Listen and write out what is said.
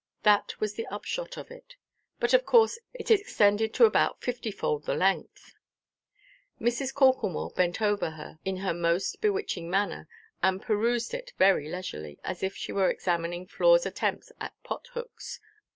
That was the upshot of it; but of course it extended to about fifty–fold the length. Mrs. Corklemore bent over her, in her most bewitching manner, and perused it very leisurely, as if she were examining Floreʼs attempts at pothooks.